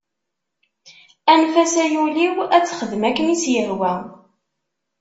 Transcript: Anef-as ay ul-iw ad texdem akken i s-yehwa.